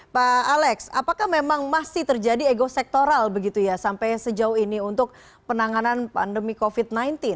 pak alex apakah memang masih terjadi ego sektoral begitu ya sampai sejauh ini untuk penanganan pandemi covid sembilan belas